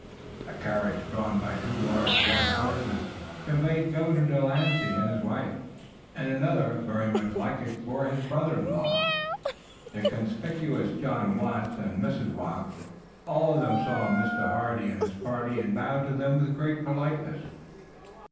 A carriage drawn by two large white horses conveyed Governor de Lancey and his wife, and another very much like it bore his brother in law, the conspicuous John Watts, and Mrs. Watts. All of them saw Mr. Hardy and his party and bowed to them with great politeness.